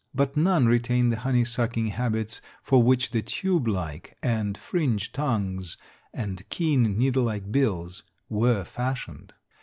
But none retain the honey sucking habits for which the tube like and fringed tongues, and keen, needle like bills, were fashioned.